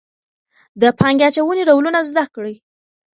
د پانګې اچونې ډولونه زده کړئ.